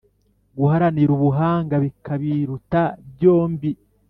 guharanira ubuhanga bikabiruta byombi.